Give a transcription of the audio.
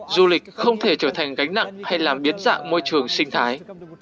du lịch không thể trở thành gánh nặng hay làm biến dạng môi trường sinh thái